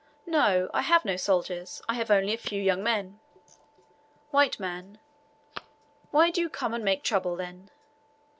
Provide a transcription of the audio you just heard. "No; I have no soldiers. I have only a few young men." W. M. "Why do you come and make trouble, then?"